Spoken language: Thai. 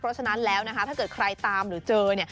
เพราะฉะนั้นแล้วนะฮะถ้าเกิดใครตามหรือเจอเนี่ย